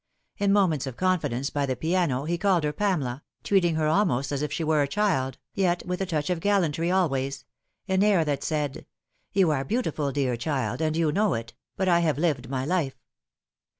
In moments of confidence by tha piano he called her Pamela, treating her almost as if she were a child, yet with a touch of gallantry always an air that said, " You are beautiful, dear child, and you know it ; but I have lived my life."